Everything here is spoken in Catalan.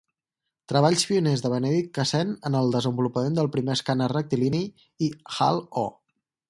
Treballs pioners de Benedict Cassen en el desenvolupament del primer escàner rectilini i Hal O.